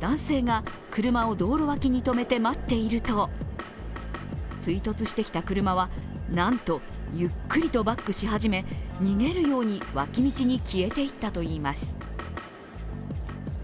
男性が車を道路脇に止めて待っていると、追突してきた車は、なんとゆっくりとバックし始め、逃げるように脇道に消えていったといいます。